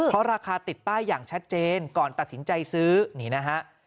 เพราะราคาติดป้ายอย่างชัดเจนก่อนตัดสินใจซื้อนี่นะฮะ